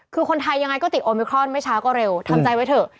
คือคนไทยยังไงก็ติดโอมิครอนไม่ช้าก็เร็วทำใจไว้เถอะ